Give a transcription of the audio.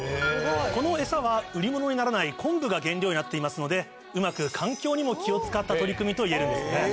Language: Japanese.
このエサは売り物にならない昆布が原料になっていますのでうまく環境にも気を使った取り組みといえるんですね。